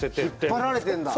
引っ張られてんだ。